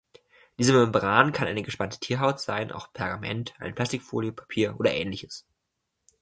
Diese Membran kann eine gespannte Tierhaut sein, auch Pergament, eine Plastikfolie, Papier oder Ähnliches.